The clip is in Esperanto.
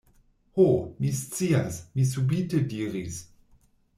Ho! mi scias! mi subite diris.